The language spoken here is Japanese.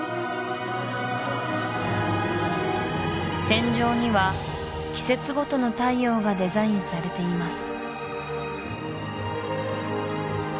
天井には季節ごとの太陽がデザインされています